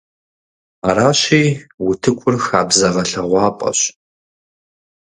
Аращи, утыкур хабзэ гъэлъэгъуапӀэщ.